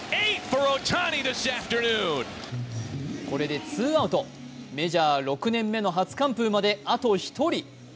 これでツーアウトメジャー６年目の初完封まであと１人。